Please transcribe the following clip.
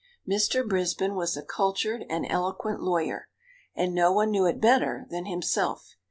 Mr. Brisbin was a cultured and eloquent lawyer, and no one knew it better than himself.